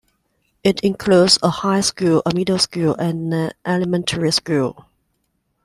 It includes a high school, a middle school, and an elementary school.